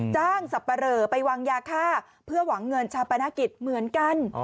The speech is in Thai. สับปะเหลอไปวางยาฆ่าเพื่อหวังเงินชาปนกิจเหมือนกัน